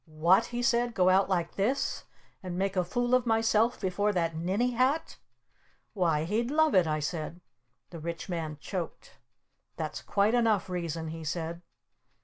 "What?" he said. "Go out like this? And make a fool of myself before that Ninny Hat?" "Why, he'd love it!" I said. The Rich Man choked. "That's quite enough reason!" he said.